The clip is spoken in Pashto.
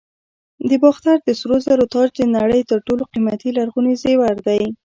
د باختر د سرو زرو تاج د نړۍ تر ټولو قیمتي لرغوني زیور دی